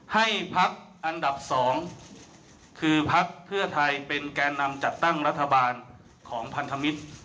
ให้พักอันดับ๒คือพักเพื่อไทยเป็นแก่นำจัดตั้งรัฐบาลของพันธมิตร